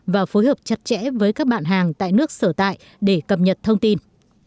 và phối hợp chặt chẽ với các bạn hàng tại nước sở tại để cập nhật thông tin